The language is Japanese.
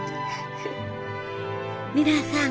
皆さん！